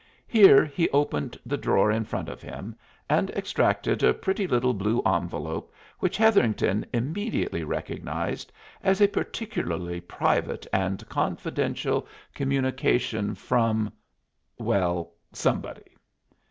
Here he opened the drawer in front of him and extracted a pretty little blue envelope which Hetherington immediately recognized as a particularly private and confidential communication from well, somebody.